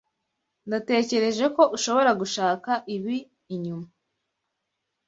Natekereje ko ushobora gushaka ibi inyuma.